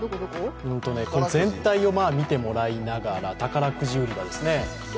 全体を見てもらいながら宝くじ売り場ですね。